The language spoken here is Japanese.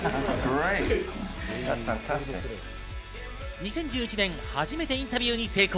２０１１年、初めてインタビューに成功。